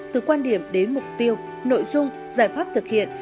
từ quan điểm đến mục tiêu nội dung giải pháp thực hiện